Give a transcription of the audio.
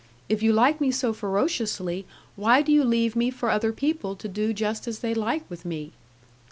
If you like me so ferociously, why do you leave me for other people to do just as they like with me?'